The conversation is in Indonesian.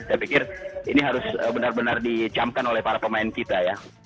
saya pikir ini harus benar benar dicamkan oleh para pemain kita ya